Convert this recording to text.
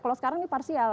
kalau sekarang ini parsial